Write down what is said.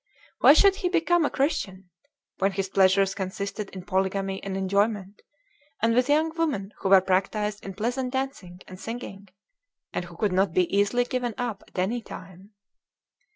Why should he become a Christian? when his pleasures consisted in polygamy and enjoyment, and with young women who were practised in pleasant dancing and singing, and who could not be easily given up at any time.